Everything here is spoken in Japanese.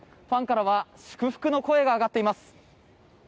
ファンからは祝福の声が上がっています。